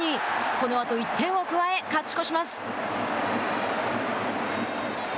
このあと１点を加え勝ち越します。